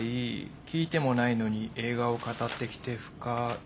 「聞いてもないのに映画を語ってきて不快」。